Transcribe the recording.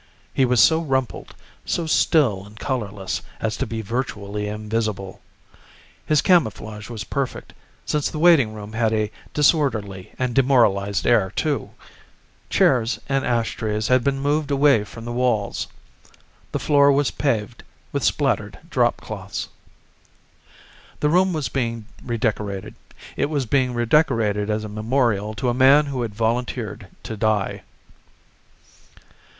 He was so rumpled, so still and colorless as to be virtually invisible. His camouflage was perfect, since the waiting room had a disorderly and demoralized air, too. Chairs and ashtrays had been moved away from the walls. The floor was paved with spattered dropcloths. The room was being redecorated. It was being redecorated as a memorial to a man who had volunteered to die.